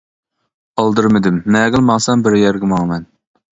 ئالدىرىمىدىم، نەگىلا ماڭسام بىر يەرگە ماڭىمەن.